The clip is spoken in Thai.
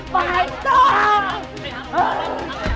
ฟังไปหาลูกพ่อนะฟังไป